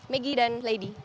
megi dan lady